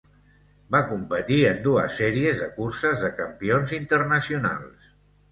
Va competir en dues sèries de curses de campions internacionals.